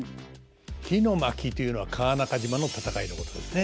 「火の巻」というのは川中島の戦いのことですね。